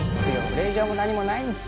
令状も何もないんすよ。